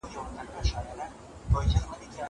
فردي حقونه د اسلامي قوانینو سره په ټکر کي نه وو.